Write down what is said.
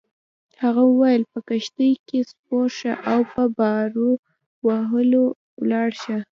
هغه وویل: په کښتۍ کي سپور شه او په پارو وهلو ولاړ شه.